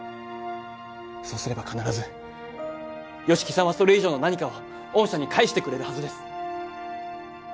そうすれば必ず吉木さんはそれ以上の何かを御社に返してくれるはずです